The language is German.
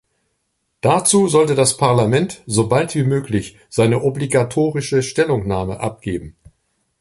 Dazu sollte das Parlament so bald wie möglich seine obligatorische Stellungnahme abgeben.